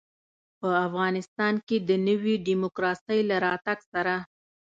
په افغانستان کې د نوي ډيموکراسۍ له راتګ سره.